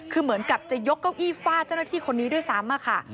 คือเหมือนกับจะยกเก้าอี้ฟาดเจ้าหน้าที่คนนี้ด้วยซ้ำค่ะ